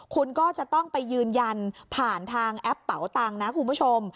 คุณก็จะต้องไปยืนยันผ่านทางแอปเป๋าตังค์นะคุณผู้ชม